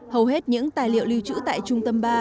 hầu hết những tài liệu lưu trữ tại trung tâm ba